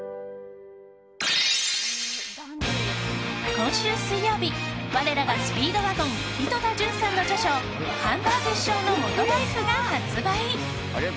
今週水曜日我らがスピードワゴン井戸田潤さんの著書「ハンバーグ師匠のモトライフ」が発売。